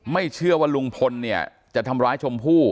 ไม่เชื่อว่าลุงพลเนี่ยจะทำร้ายชมพู่